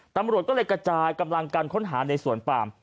ตำรวจก็เลยกระจายกำลังกันค้นหาในสวนปาม